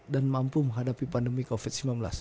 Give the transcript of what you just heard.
dan mampu menghadapi pandemi covid sembilan belas